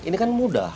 ini kan mudah